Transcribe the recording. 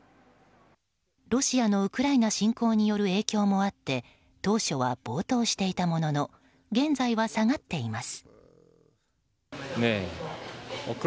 ロシアのウクライナ侵攻による影響もあって当初は暴騰していたものの現在は下がっています。